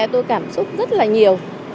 tôi cảm xúc rất là nhiều